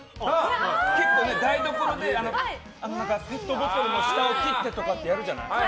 結構、台所でペットボトルの下を切ってとかやるじゃない。